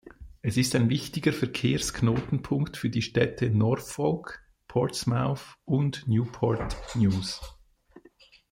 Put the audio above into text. Es ist ein wichtiger Verkehrsknotenpunkt für die Städte Norfolk, Portsmouth und Newport News.